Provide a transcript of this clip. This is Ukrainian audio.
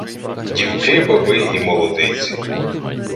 Дівки, баби і молодиці